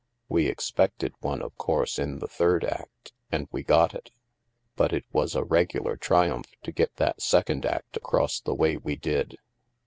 We expected one, of course, in the third act, and we got it. But it was a regular triumph to get that second act across the way we did."